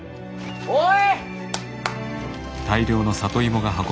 おい！